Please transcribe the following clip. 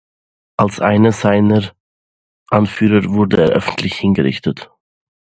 Als einer seiner Anführer wurde er öffentlich hingerichtet.